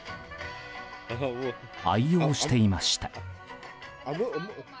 愛用していました。